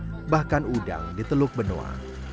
jukung kepiting bahkan udang di teluk benoa